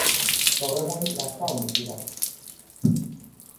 Gaur egun Lazkaon bizi da.